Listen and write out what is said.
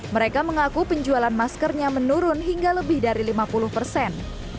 mereka mengaku penjualan maskernya menurun hingga lebih dari lima puluh persen